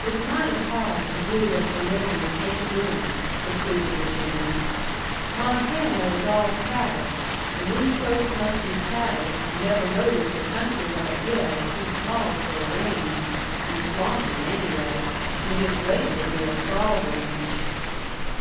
"It's mighty hard to do what your neighbors ain't doin'," pursued the Virginian. "Montana is all cattle, an' these folks must be cattle, an' never notice the country right hyeh is too small for a range, an' swampy, anyway, an' just waitin' to be a frawg ranch."